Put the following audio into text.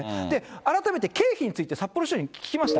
改めて、経費について、札幌市長に聞きました。